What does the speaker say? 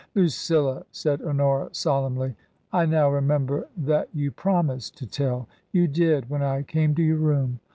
" Lucilla," said Honora, solemnly, " I now remember that you promised to tell. You did — ^when I came to your room.